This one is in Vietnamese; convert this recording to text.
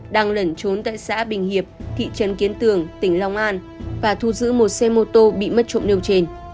đang lẩn trốn tại xã bình hiệp thị trấn kiến tường tỉnh long an và thu giữ một xe mô tô bị mất trộm nêu trên